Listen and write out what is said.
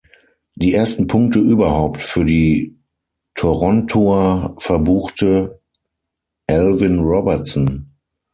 Die ersten Punkte überhaupt für die Torontoer verbuchte Alvin Robertson.